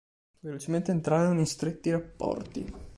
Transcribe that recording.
Velocemente entrarono in stretti rapporti.